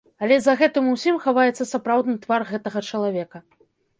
Але за гэтым усім хаваецца сапраўдны твар гэтага чалавека.